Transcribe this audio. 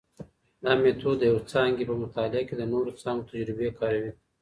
دا مېتود د یوه څانګې په مطالعه کې د نورو څانګو تجربې کاروي.